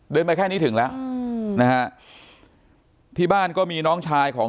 เดินไปแค่นี้ถึงแล้วที่บ้านก็มีน้องชายของ